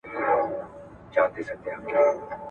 هغوی نوښتګر دي.